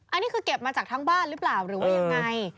อันนี้คือเก็บมาจากทั้งบ้านหรือเปล่าหรือว่ายังไง